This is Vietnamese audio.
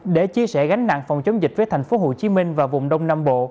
để chia sẻ gánh nặng phòng chống dịch với thành phố hồ chí minh và vùng đông nam bộ